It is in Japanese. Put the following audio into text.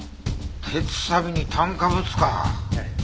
鉄サビに炭化物か。